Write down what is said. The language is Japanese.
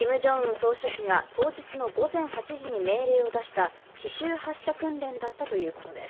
総書記が当日の午前８時に命令を出した奇襲発射訓練だったということです。